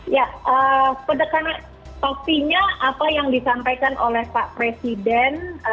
ya penekanan topinya apa yang disampaikan oleh pak presiden